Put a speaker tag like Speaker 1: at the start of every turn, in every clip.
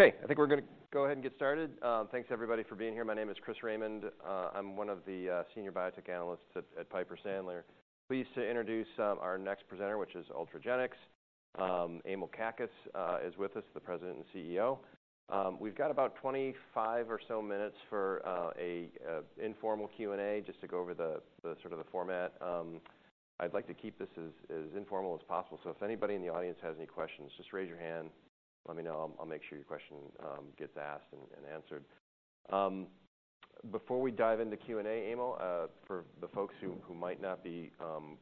Speaker 1: Okay, I think we're gonna go ahead and get started. Thanks everybody for being here. My name is Chris Raymond. I'm one of the senior biotech analysts at Piper Sandler. Pleased to introduce our next presenter, which is Ultragenyx. Emil Kakkis is with us, the President and CEO. We've got about 25 or so minutes for a informal Q&A, just to go over the sort of the format. I'd like to keep this as informal as possible. So if anybody in the audience has any questions, just raise your hand, let me know. I'll make sure your question gets asked and answered. Before we dive into Q&A, Emil, for the folks who might not be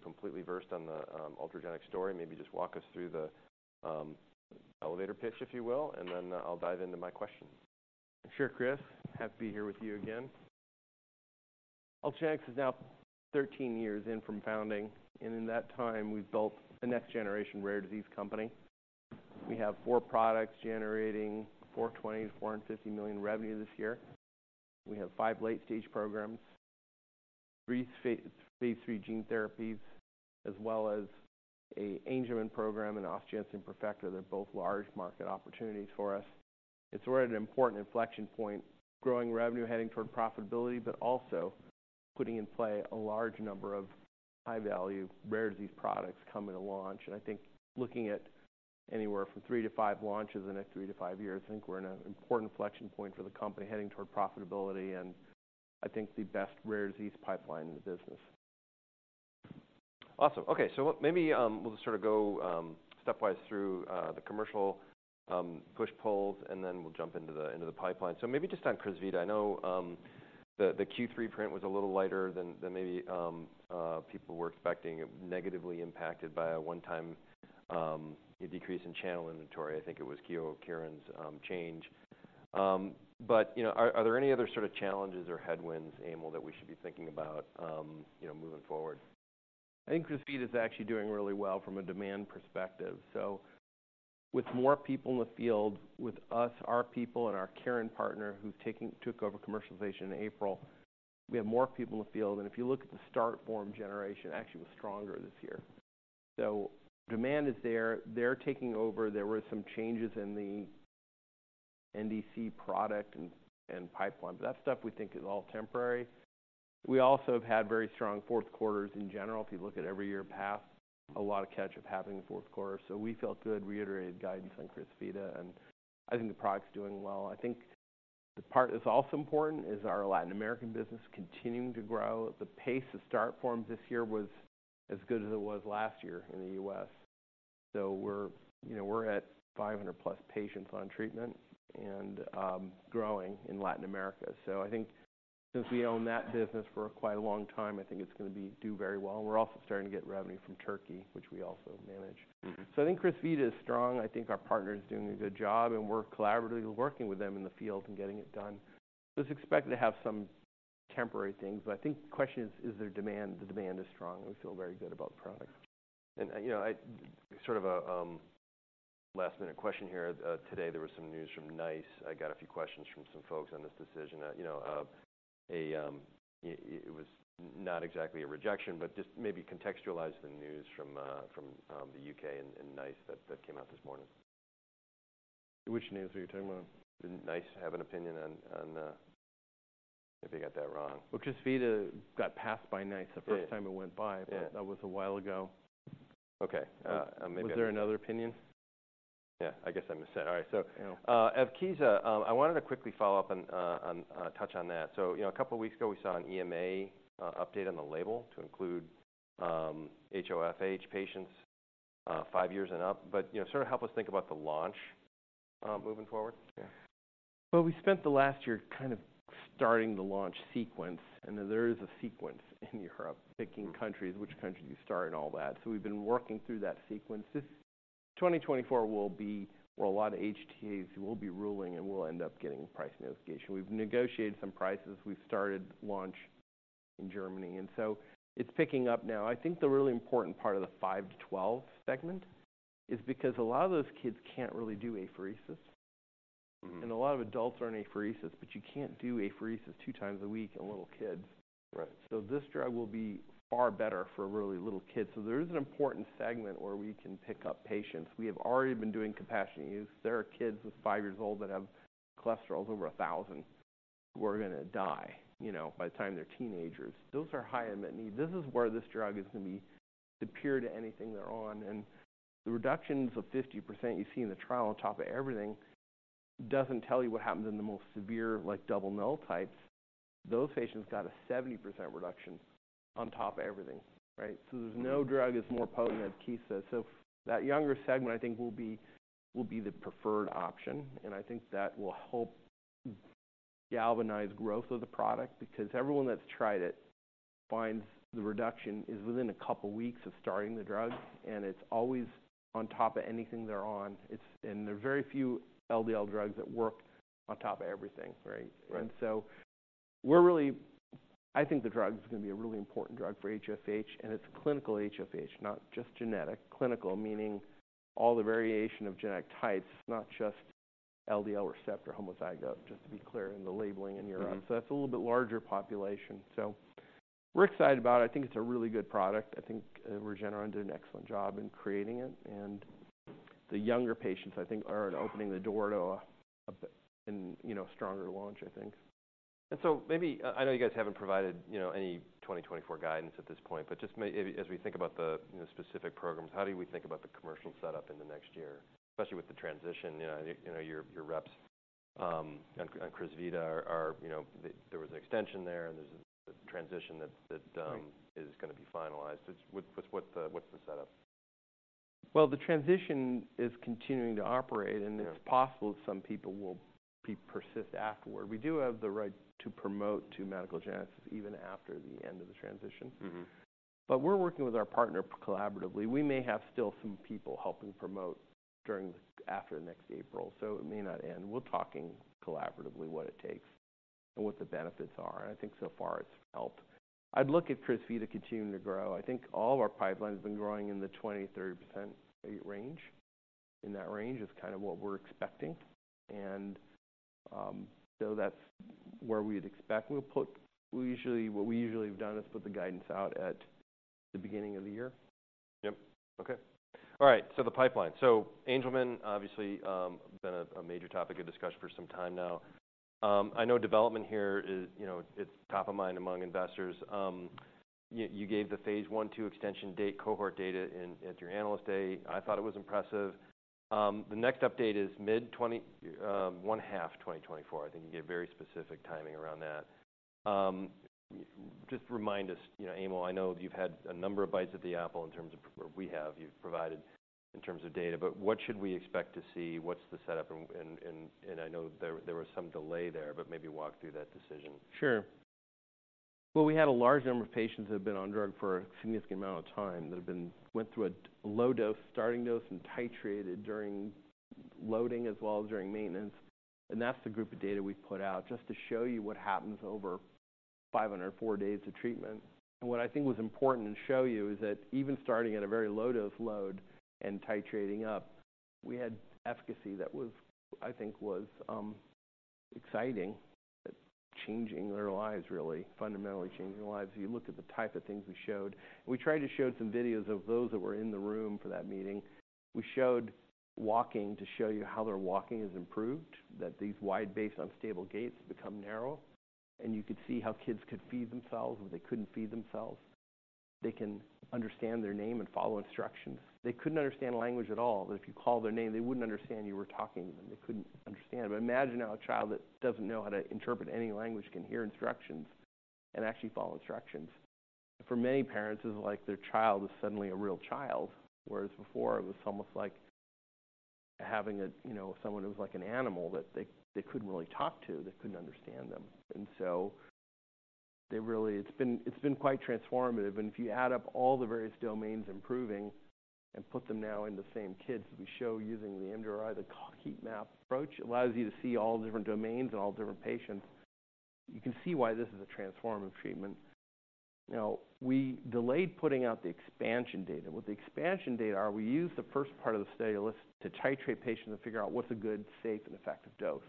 Speaker 1: completely versed on the Ultragenyx story, maybe just walk us through the elevator pitch, if you will, and then I'll dive into my questions.
Speaker 2: Sure, Chris. Happy to be here with you again. Ultragenyx is now 13 years in from founding, and in that time, we've built a next-generation rare disease company. We have four products generating $420 million-$450 million revenue this year. We have five late-stage programs, three phase III gene therapies, as well as an Angelman program and osteogenesis imperfecta. They're both large market opportunities for us. It's already an important inflection point, growing revenue, heading toward profitability, but also putting in play a large number of high-value, rare disease products coming to launch. I think looking at anywhere from 3 launches-5 launches in the next 3 years-5 years, I think we're in an important inflection point for the company, heading toward profitability, and I think the best rare disease pipeline in the business.
Speaker 1: Awesome. Okay, so maybe we'll just sort of go stepwise through the commercial push/pulls, and then we'll jump into the pipeline. So maybe just on Crysvita. I know the Q3 print was a little lighter than maybe people were expecting, negatively impacted by a one-time decrease in channel inventory. I think it was Kyowa Kirin's change. But, you know, are there any other sort of challenges or headwinds, Emil, that we should be thinking about, you know, moving forward?
Speaker 2: I think Crysvita is actually doing really well from a demand perspective. So with more people in the field, with us, our people and our Kyowa Kirin partner, who's taking, took over commercialization in April, we have more people in the field. And if you look at the start form generation actually was stronger this year. So demand is there. They're taking over. There were some changes in the NDC product and pipeline, but that stuff we think is all temporary. We also have had very strong fourth quarters in general. If you look at every year past, a lot of catch up happened in the fourth quarter. So we felt good, reiterated guidance on Crysvita, and I think the product's doing well. I think the part that's also important is our Latin American business continuing to grow. The pace of start forms this year was as good as it was last year in the U.S. So we're, you know, we're at 500+ patients on treatment and growing in Latin America. So I think since we own that business for quite a long time, I think it's gonna be do very well. We're also starting to get revenue from Turkey, which we also manage.
Speaker 1: Mm-hmm.
Speaker 2: So I think CRYSVITA is strong. I think our partner is doing a good job, and we're collaboratively working with them in the field and getting it done. It was expected to have some temporary things, but I think the question is: Is there demand? The demand is strong, and we feel very good about the product.
Speaker 1: You know, sort of a last-minute question here. Today, there was some news from NICE. I got a few questions from some folks on this decision. You know, it was not exactly a rejection, but just maybe contextualize the news from the UK and NICE that came out this morning.
Speaker 2: Which news are you talking about?
Speaker 1: Did NICE have an opinion on if they got that wrong?
Speaker 2: Well, Crysvita got passed by NICE.
Speaker 1: Yeah...
Speaker 2: the first time it went by.
Speaker 1: Yeah.
Speaker 2: But that was a while ago.
Speaker 1: Okay,
Speaker 2: Was there another opinion?
Speaker 1: Yeah, I guess I misunderstood. All right, so-
Speaker 2: Yeah...
Speaker 1: Evkeeza, I wanted to quickly follow up on, touch on that. So, you know, a couple of weeks ago, we saw an EMA update on the label to include HoFH patients five years and up, but, you know, sort of help us think about the launch moving forward.
Speaker 2: Yeah. Well, we spent the last year kind of starting the launch sequence, and then there is a sequence in Europe, picking countries, which countries you start and all that. So we've been working through that sequence. This, 2024 will be where a lot of HTAs will be ruling, and we'll end up getting price negotiation. We've negotiated some prices. We've started launch in Germany, and so it's picking up now. I think the really important part of the 5 segment-12 segment is because a lot of those kids can't really do apheresis.
Speaker 1: Mm-hmm.
Speaker 2: A lot of adults are in apheresis, but you can't do apheresis two times a week on little kids.
Speaker 1: Right.
Speaker 2: So this drug will be far better for really little kids. So there is an important segment where we can pick up patients. We have already been doing compassionate use. There are kids 5 years old that have cholesterols over 1,000, who are gonna die, you know, by the time they're teenagers. Those are high and in need. This is where this drug is gonna be superior to anything they're on, and the reductions of 50% you see in the trial on top of everything, doesn't tell you what happens in the most severe, like double null types. Those patients got a 70% reduction on top of everything, right? So there's no drug that's more potent than Evkeeza. So that younger segment, I think, will be the preferred option, and I think that will help galvanize growth of the product because everyone that's tried it finds the reduction is within a couple of weeks of starting the drug, and it's always on top of anything they're on. It's. And there are very few LDL drugs that work on top of everything, right?
Speaker 1: Right.
Speaker 2: And so we're really, I think the drug is gonna be a really important drug for HoFH, and it's clinical HoFH, not just genetic. Clinical, meaning all the variation of genetic types, not just LDL receptor homozygous, just to be clear in the labeling in Europe.
Speaker 1: Mm-hmm.
Speaker 2: So that's a little bit larger population. We're excited about it. I think it's a really good product. I think, Regeneron did an excellent job in creating it, and the younger patients, I think, are opening the door to a, you know, stronger launch, I think.
Speaker 1: And so maybe, I know you guys haven't provided, you know, any 2024 guidance at this point, but just as we think about the, you know, specific programs, how do we think about the commercial setup in the next year? Especially with the transition, you know, you know, your, your reps on Crysvita are, are, you know... There was an extension there, and there's a transition that, that,
Speaker 2: Right...
Speaker 1: is gonna be finalized. Just what, what's the setup?
Speaker 2: Well, the transition is continuing to operate-
Speaker 1: Yeah...
Speaker 2: and it's possible that some people will be persistent afterward. We do have the right to promote to medical genetics even after the end of the transition.
Speaker 1: Mm-hmm.
Speaker 2: But we're working with our partner collaboratively. We may have still some people helping promote during, after next April, so it may not end. We're talking collaboratively what it takes and what the benefits are, and I think so far it's helped. I'd look at Crysvita continuing to grow. I think all of our pipeline has been growing in the 20%-30% range. In that range is kind of what we're expecting, and so that's where we'd expect. We usually, what we usually have done is put the guidance out at the beginning of the year.
Speaker 1: Yep. Okay. All right. So the pipeline. So Angelman, obviously, been a major topic of discussion for some time now. I know development here is, you know, it's top of mind among investors. You gave the phase I/2 extension date cohort data in at your Analyst Day. I thought it was impressive. The next update is mid-2024 first half 2024. I think you gave very specific timing around that. Just remind us, you know, Emil. I know you've had a number of bites at the apple in terms of... Or we have. You've provided in terms of data, but what should we expect to see? What's the setup? And I know there was some delay there, but maybe walk through that decision.
Speaker 2: Sure. Well, we had a large number of patients that have been on drug for a significant amount of time that went through a low dose starting dose and titrated during loading as well as during maintenance. And that's the group of data we put out, just to show you what happens over 504 days of treatment. And what I think was important to show you is that even starting at a very low dose load and titrating up, we had efficacy that was, I think, exciting, changing their lives, really. Fundamentally changing their lives. You looked at the type of things we showed. We tried to show some videos of those that were in the room for that meeting. We showed walking to show you how their walking has improved, that these wide-based, unstable gaits become narrow, and you could see how kids could feed themselves, or they couldn't feed themselves. They can understand their name and follow instructions. They couldn't understand language at all, but if you call their name, they wouldn't understand you were talking to them. They couldn't understand. But imagine how a child that doesn't know how to interpret any language can hear instructions and actually follow instructions. For many parents, it's like their child is suddenly a real child, whereas before it was almost like having a, you know, someone who's like an animal that they, they couldn't really talk to, they couldn't understand them. And so they really... It's been, it's been quite transformative, and if you add up all the various domains improving and put them now in the same kids that we show using the MRI, the heat map approach, it allows you to see all the different domains and all the different patients. You can see why this is a transformative treatment. Now, we delayed putting out the expansion data. What the expansion data are, we used the first part of the study list to titrate patients and figure out what's a good, safe, and effective dose.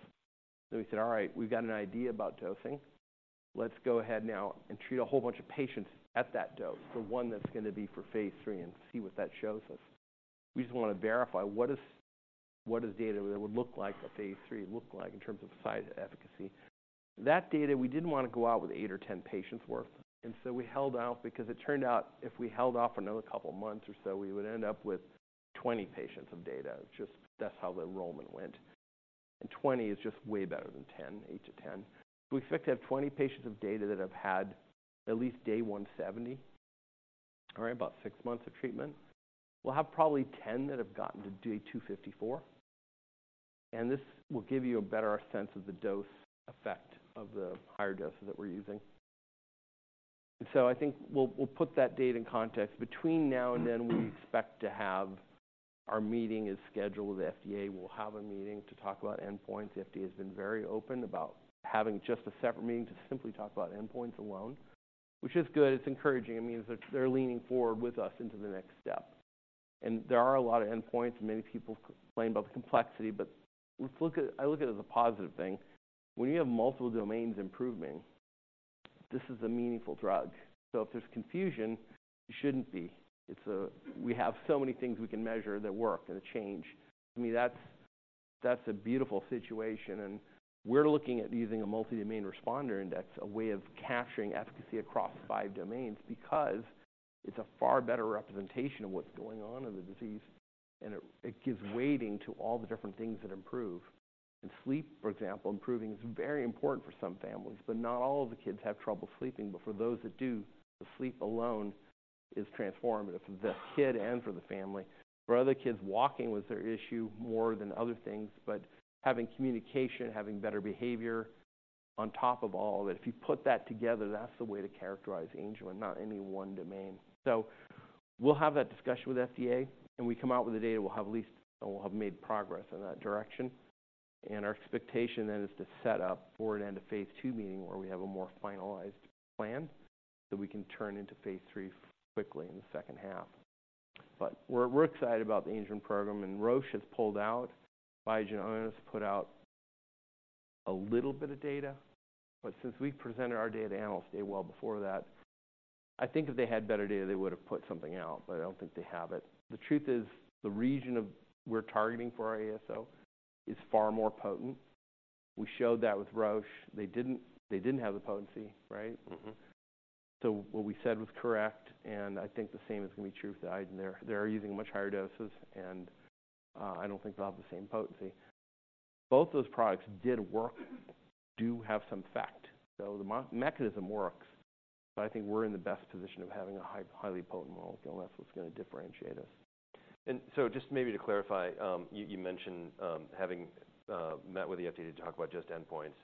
Speaker 2: So we said, "All right, we've got an idea about dosing. Let's go ahead now and treat a whole bunch of patients at that dose for one that's gonna be for phase III and see what that shows us." We just wanna verify what is, what is data that would look like, a phase III look like in terms of side efficacy. That data, we didn't want to go out with eight or 10 patients worth, and so we held off because it turned out if we held off another couple of months or so, we would end up with 20 patients of data. Just that's how the enrollment went. 20 is just way better than 10, eight to 10. We expect to have 20 patients of data that have had at least day 170, all right, about six months of treatment. We'll have probably 10 that have gotten to day 254, and this will give you a better sense of the dose effect of the higher doses that we're using. And so I think we'll, we'll put that data in context. Between now and then, we expect to have our meeting is scheduled with the FDA. We'll have a meeting to talk about endpoints. The FDA has been very open about having just a separate meeting to simply talk about endpoints alone, which is good. It's encouraging. It means they're, they're leaning forward with us into the next step. And there are a lot of endpoints, and many people complain about the complexity, but let's look at- I look at it as a positive thing. When you have multiple domains improving, this is a meaningful drug, so if there's confusion, it shouldn't be. We have so many things we can measure that work and a change. To me, that's, that's a beautiful situation, and we're looking at using a multi-domain responder index, a way of capturing efficacy across five domains, because it's a far better representation of what's going on in the disease, and it, it gives weighting to all the different things that improve. And sleep, for example, improving is very important for some families, but not all of the kids have trouble sleeping. But for those that do, the sleep alone is transformative for the kid and for the family. For other kids, walking was their issue more than other things, but having communication, having better behavior on top of all that. If you put that together, that's the way to characterize Angelman, not any one domain. So we'll have that discussion with FDA, and when we come out with the data, we'll have at least... We'll have made progress in that direction. And our expectation then is to set up for an end-of-phase II meeting, where we have a more finalized plan that we can turn into phase III quickly in the second half. But we're, we're excited about the Angelman program, and Roche has pulled out. Biogen has put out-... a little bit of data, but since we presented our data at Analyst Day well before that, I think if they had better data, they would have put something out, but I don't think they have it. The truth is, the region of we're targeting for our ASO is far more potent. We showed that with Roche. They didn't, they didn't have the potency, right?
Speaker 1: Mm-hmm.
Speaker 2: So what we said was correct, and I think the same is gonna be true with the ASO. They're using much higher doses, and I don't think they'll have the same potency. Both those products did work, do have some effect. So the mechanism works, but I think we're in the best position of having a highly potent molecule, and that's what's gonna differentiate us.
Speaker 1: Just maybe to clarify, you mentioned having met with the FDA to talk about just endpoints,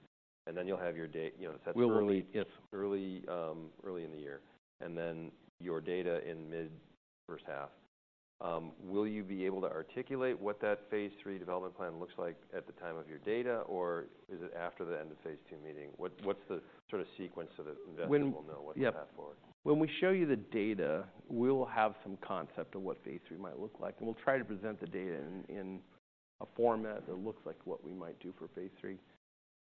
Speaker 1: and then you'll have your date, you know, set-
Speaker 2: We'll release, yes.
Speaker 1: Early, early in the year, and then your data in mid first half. Will you be able to articulate what that phase III development plan looks like at the time of your data, or is it after the end of phase II meeting? What's the sort of sequence so that-
Speaker 2: When-
Speaker 1: Investor will know what to ask for?
Speaker 2: Yep. When we show you the data, we'll have some concept of what phase III might look like, and we'll try to present the data in, in a format that looks like what we might do for phase III.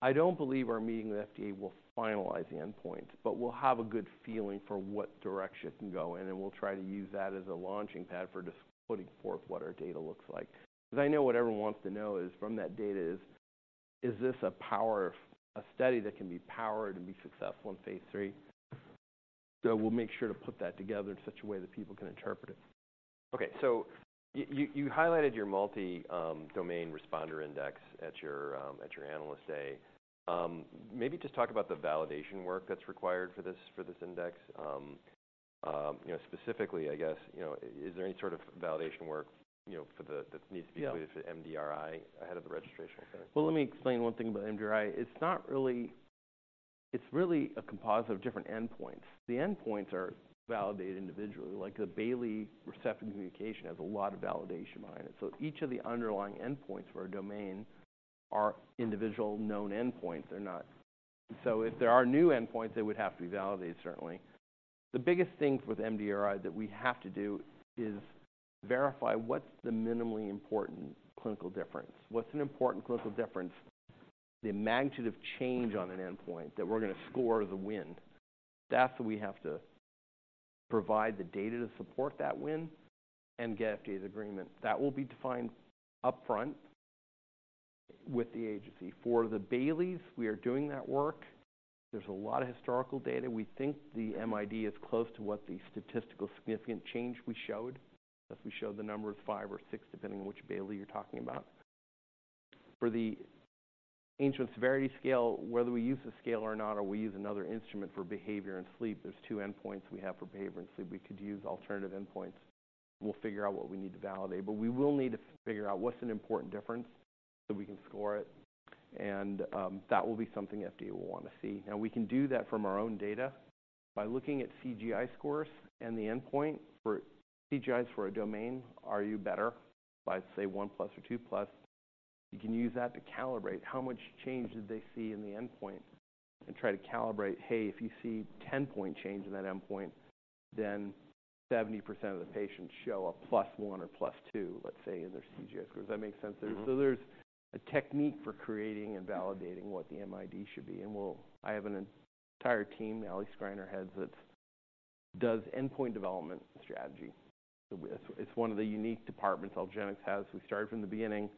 Speaker 2: I don't believe our meeting with FDA will finalize the endpoint, but we'll have a good feeling for what direction to go in, and we'll try to use that as a launching pad for just putting forth what our data looks like. Because I know what everyone wants to know is, from that data, is this a study that can be powered and be successful in phase III? So we'll make sure to put that together in such a way that people can interpret it.
Speaker 1: Okay, so you highlighted your multi-domain responder index at your Analyst Day. Maybe just talk about the validation work that's required for this index. You know, is there any sort of validation work, you know, for the-
Speaker 2: Yeah...
Speaker 1: that needs to be completed for MDRI ahead of the registration event?
Speaker 2: Well, let me explain one thing about MDRI. It's not really... It's really a composite of different endpoints. The endpoints are validated individually, like the Bayley receptive communication has a lot of validation behind it. So each of the underlying endpoints for our domain are individual known endpoints. They're not... So if there are new endpoints, they would have to be validated, certainly. The biggest thing with MDRI that we have to do is verify what's the minimally important clinical difference. What's an important clinical difference? The magnitude of change on an endpoint that we're gonna score the win. That's what we have to provide the data to support that win and get FDA's agreement. That will be defined upfront with the agency. For the Bayleys, we are doing that work. There's a lot of historical data. We think the MID is close to what the statistical significant change we showed, as we showed the number of five or six, depending on which Bayley you're talking about. For the Angelman severity scale, whether we use the scale or not, or we use another instrument for behavior and sleep, there's two endpoints we have for behavior and sleep. We could use alternative endpoints. We'll figure out what we need to validate, but we will need to figure out what's an important difference, so we can score it, and that will be something FDA will want to see. Now, we can do that from our own data by looking at CGI scores and the endpoint for CGIs for a domain, are you better by, say, one plus or two plus? You can use that to calibrate how much change did they see in the endpoint and try to calibrate, hey, if you see 10-point change in that endpoint, then 70% of the patients show a +1 or +2, let's say, in their CGI score. Does that make sense?
Speaker 1: Mm-hmm.
Speaker 2: So there's a technique for creating and validating what the MID should be, and we'll, I have an entire team, Allie Schreiner heads, that does endpoint development strategy. So it's, it's one of the unique departments Ultragenyx has. We started from the beginning,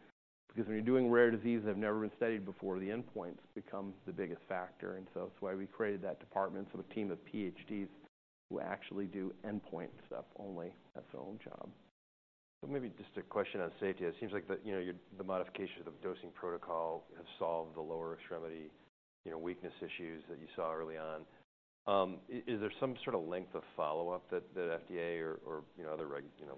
Speaker 2: because when you're doing rare diseases that have never been studied before, the endpoints become the biggest factor, and so that's why we created that department. So a team of PhDs who actually do endpoint stuff only. That's their own job.
Speaker 1: So maybe just a question on safety. It seems like the, you know, your, the modifications of dosing protocol have solved the lower extremity, you know, weakness issues that you saw early on. Is there some sort of length of follow-up that FDA or, or, you know, other reg, you know,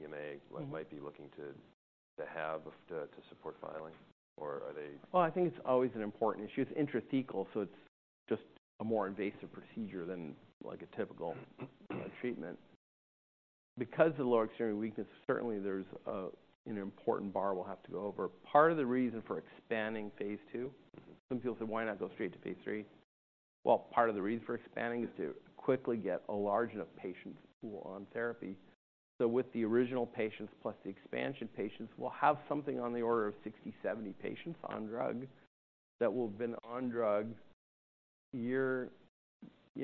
Speaker 1: EMA.
Speaker 2: Mm-hmm...
Speaker 1: might be looking to have to support filing, or are they?
Speaker 2: Well, I think it's always an important issue. It's intrathecal, so it's just a more invasive procedure than, like, a typical-
Speaker 1: Mm-hmm...
Speaker 2: treatment. Because of the lower extremity weakness, certainly there's an important bar we'll have to go over. Part of the reason for expanding phase II-
Speaker 1: Mm-hmm...
Speaker 2: some people said, "Why not go straight to phase III?" Well, part of the reason for expanding is to quickly get a large enough patient pool on therapy. So with the original patients, plus the expansion patients, we'll have something on the order of 60, 70 patients on drug that will have been on drug a year, you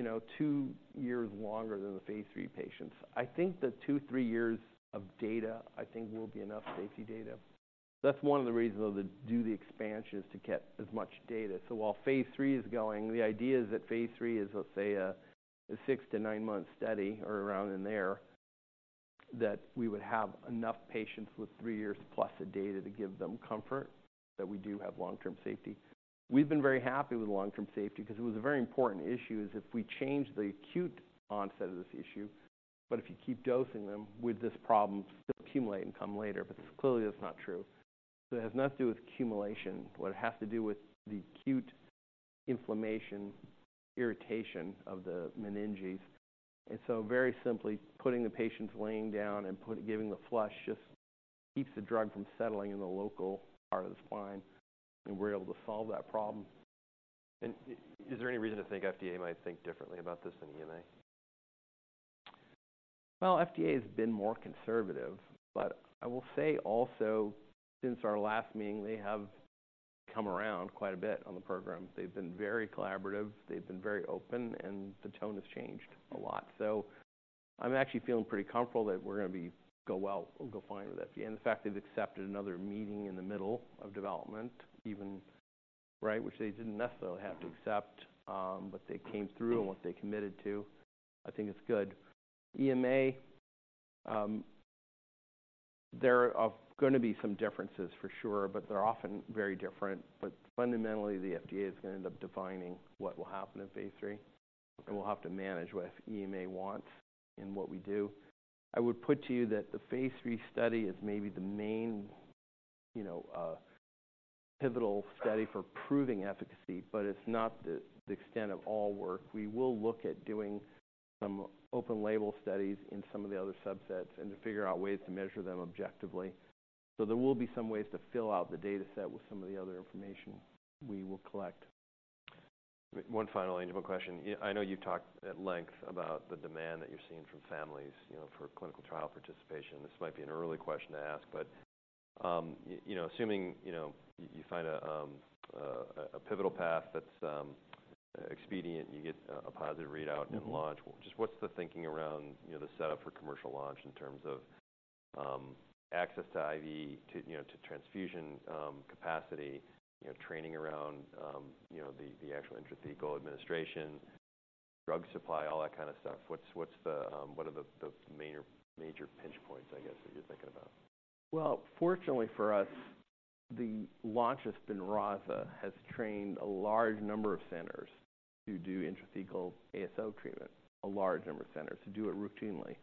Speaker 2: know, 2 years longer than the phase III patients. I think that 2 years, 3 years of data, I think, will be enough safety data. That's one of the reasons to do the expansion, is to get as much data. So while phase III is going, the idea is that phase III is, let's say, a six-month to nine-month study or around in there, that we would have enough patients with 3 years+ of data to give them comfort that we do have long-term safety. We've been very happy with the long-term safety 'cause it was a very important issue, is if we change the acute onset of this issue, but if you keep dosing them, would this problem still accumulate and come later? But clearly, that's not true. So it has nothing to do with accumulation, but it has to do with the acute inflammation, irritation of the meninges. And so very simply, putting the patients laying down and giving the flush just keeps the drug from settling in the local part of the spine, and we're able to solve that problem.
Speaker 1: Is there any reason to think FDA might think differently about this than EMA?...
Speaker 2: Well, FDA has been more conservative, but I will say also, since our last meeting, they have come around quite a bit on the program. They've been very collaborative, they've been very open, and the tone has changed a lot. So I'm actually feeling pretty comfortable that we're gonna go well or go fine with that. And the fact they've accepted another meeting in the middle of development even, right, which they didn't necessarily have to accept, but they came through and what they committed to, I think it's good. EMA, there are gonna be some differences for sure, but they're often very different. But fundamentally, the FDA is gonna end up defining what will happen in phase III, and we'll have to manage what EMA wants in what we do. I would put to you that the phase III study is maybe the main, you know, pivotal study for proving efficacy, but it's not the extent of all work. We will look at doing some open label studies in some of the other subsets and to figure out ways to measure them objectively. There will be some ways to fill out the data set with some of the other information we will collect.
Speaker 1: One final Angelman question. I know you've talked at length about the demand that you're seeing from families, you know, for clinical trial participation. This might be an early question to ask, but you know, assuming you find a pivotal path that's expedient, you get a positive readout and launch.
Speaker 2: Mm-hmm.
Speaker 1: Just what's the thinking around, you know, the setup for commercial launch in terms of, access to IV, you know, to transfusion, capacity, you know, training around, you know, the actual intrathecal administration, drug supply, all that kind of stuff? What's the... What are the major pinch points, I guess, that you're thinking about?
Speaker 2: Well, fortunately for us, the launch of Spinraza has trained a large number of centers to do intrathecal ASO treatment, a large number of centers to do it routinely.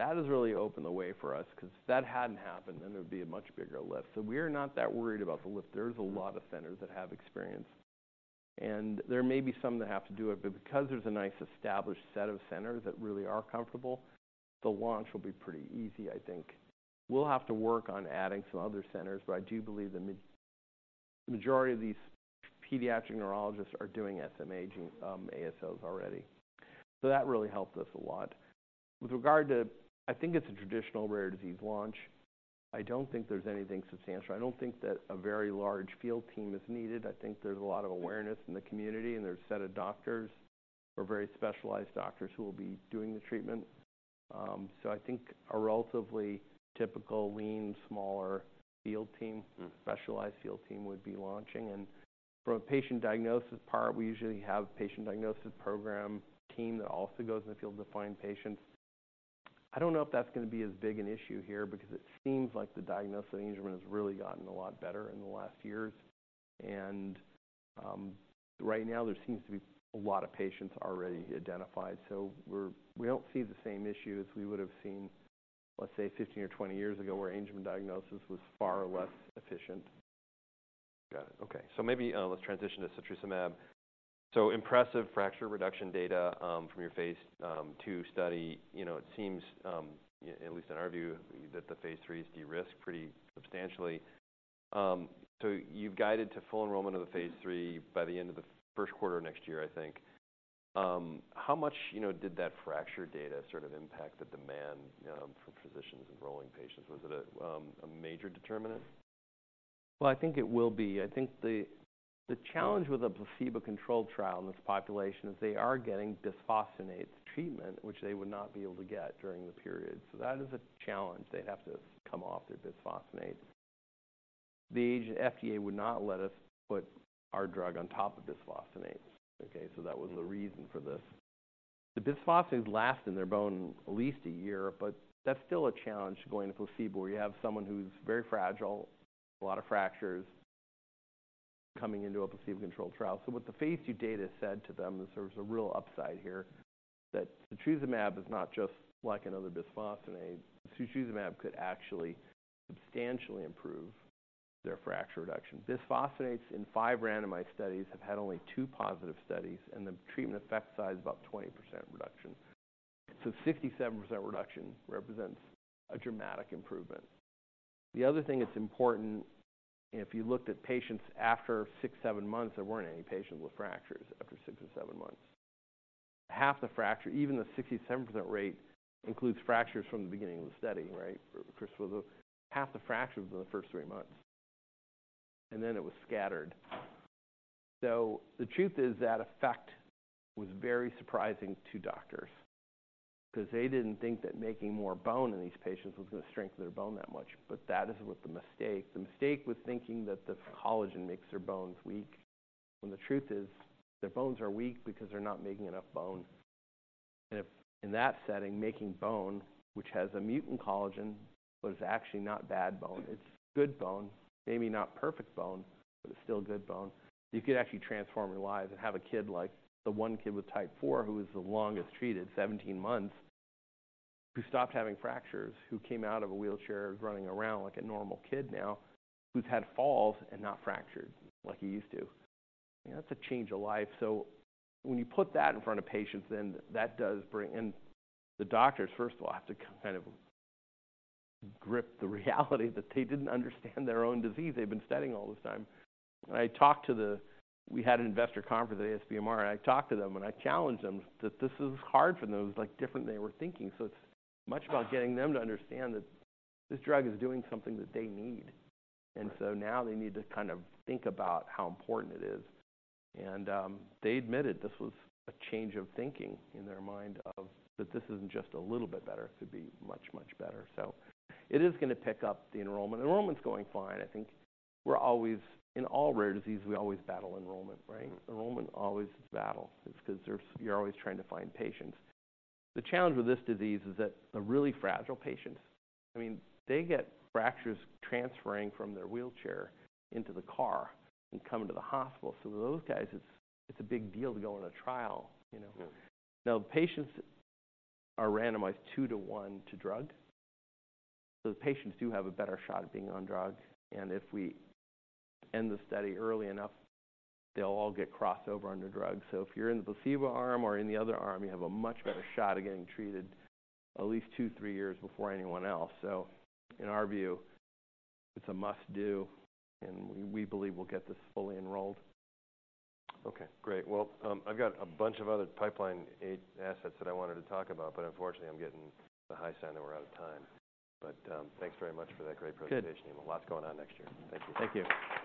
Speaker 2: That has really opened the way for us because if that hadn't happened, then there'd be a much bigger lift. So we're not that worried about the lift. There's a lot of centers that have experience, and there may be some that have to do it, but because there's a nice established set of centers that really are comfortable, the launch will be pretty easy, I think. We'll have to work on adding some other centers, but I do believe the majority of these pediatric neurologists are doing SMA, ASOs already. So that really helped us a lot. With regard to... I think it's a traditional rare disease launch. I don't think there's anything substantial. I don't think that a very large field team is needed. I think there's a lot of awareness in the community, and there's a set of doctors or very specialized doctors who will be doing the treatment. So I think a relatively typical, lean, smaller field team-
Speaker 1: Mm.
Speaker 2: Specialized field team would be launching. From a patient diagnosis part, we usually have a patient diagnosis program team that also goes in the field to find patients. I don't know if that's gonna be as big an issue here because it seems like the diagnosis of Angelman has really gotten a lot better in the last years. Right now, there seems to be a lot of patients already identified, so we don't see the same issues we would have seen, let's say, 15 years or 20 years ago, where Angelman diagnosis was far less efficient.
Speaker 1: Got it. Okay, so maybe let's transition to setrusumab. Impressive fracture reduction data from your phase II study. You know, it seems, at least in our view, that the phase III de-risked pretty substantially. So you've guided to full enrollment of the phase III by the end of the first quarter next year, I think. How much, you know, did that fracture data sort of impact the demand for physicians enrolling patients? Was it a a major determinant?
Speaker 2: Well, I think it will be. I think the challenge with a placebo-controlled trial in this population is they are getting bisphosphonate treatment, which they would not be able to get during the period. So that is a challenge. They'd have to come off their bisphosphonate. The FDA would not let us put our drug on top of bisphosphonate. Okay, so that was the reason for this. The bisphosphonates last in their bone at least a year, but that's still a challenge going to placebo, where you have someone who's very fragile, a lot of fractures, coming into a placebo-controlled trial. So what the phase II data said to them is there was a real upside here, that setrusumab is not just like another bisphosphonate. Setrusumab could actually substantially improve their fracture reduction. Bisphosphonates in five randomized studies have had only two positive studies, and the treatment effect size is about 20% reduction. So 57% reduction represents a dramatic improvement. The other thing that's important, if you looked at patients after six months, seven months, there weren't any patients with fractures after six or seven months. Half the fracture, even the 67% rate, includes fractures from the beginning of the study, right? First was half the fractures in the first three months, and then it was scattered. So the truth is that effect was very surprising to doctors because they didn't think that making more bone in these patients was gonna strengthen their bone that much, but that is what the mistake. The mistake was thinking that the collagen makes their bones weak, when the truth is their bones are weak because they're not making enough bone. And if in that setting, making bone, which has a mutant collagen, but it's actually not bad bone, it's good bone, maybe not perfect bone, but it's still good bone. You could actually transform your lives and have a kid, like the one kid with Type IV, who was the longest treated, 17 months, who stopped having fractures, who came out of a wheelchair, running around like a normal kid now, who's had falls and not fractured like he used to. That's a change of life. So when you put that in front of patients, then that does bring... And the doctors, first of all, have to kind of grip the reality that they didn't understand their own disease they've been studying all this time. I talked to them. We had an investor conference at ASBMR, and I talked to them, and I challenged them that this is hard for them. It was, like, different than they were thinking. So it's much about getting them to understand that this drug is doing something that they need.
Speaker 1: Right.
Speaker 2: And so now they need to kind of think about how important it is. And, they admitted this was a change of thinking in their mind of that this isn't just a little bit better. It could be much, much better. So it is gonna pick up the enrollment. Enrollment is going fine. I think we're always in all rare diseases, we always battle enrollment, right?
Speaker 1: Mm-hmm.
Speaker 2: Enrollment always is a battle. It's because there's, you're always trying to find patients. The challenge with this disease is that they're really fragile patients. I mean, they get fractures transferring from their wheelchair into the car and coming to the hospital. So those guys, it's, it's a big deal to go on a trial, you know?
Speaker 1: Mm-hmm.
Speaker 2: Now, patients are randomized two to one to drug. So the patients do have a better shot at being on drug, and if we end the study early enough, they'll all get crossover under drug. So if you're in the placebo arm or in the other arm, you have a much better shot of getting treated at least 2 years-3 years before anyone else. So in our view, it's a must-do, and we believe we'll get this fully enrolled.
Speaker 1: Okay, great. Well, I've got a bunch of other pipeline assets that I wanted to talk about, but unfortunately, I'm getting the high sign that we're out of time. But, thanks very much for that great presentation.
Speaker 2: Good.
Speaker 1: Lots going on next year. Thank you.
Speaker 2: Thank you.